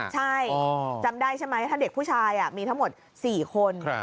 ใช่จำได้ใช่ไหมถ้าเด็กผู้ชายมีทั้งหมด๔คน